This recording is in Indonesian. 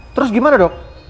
terus gimana dok